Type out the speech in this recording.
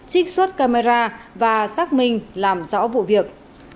trích xuất camera và xác minh làm rõ vụ việc